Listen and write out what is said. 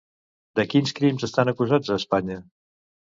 De quins crims estan acusats a Espanya?